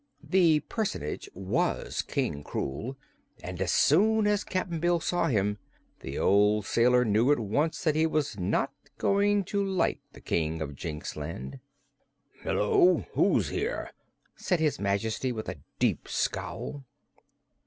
This personage was King Krewl, and as soon as Cap'n Bill saw him the old sailor knew at once that he was not going to like the King of Jinxland. "Hello! who's here?" said his Majesty, with a deep scowl.